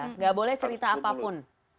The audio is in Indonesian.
tidak boleh cerita apapun